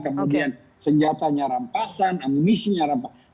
kemudian senjatanya rampasan amunisinya rampasan